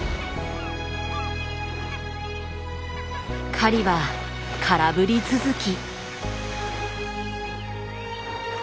狩りは空振り続き。